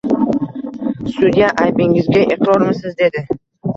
Sudya aybingizga iqrormisiz, dedi.